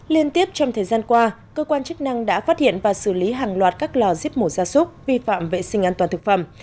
liên tiếp trong thời gian qua cơ quan chức năng đã phát hiện và xử lý hàng loạt các lò giết mổ ra súc vi phạm vệ sinh an toàn thực phẩm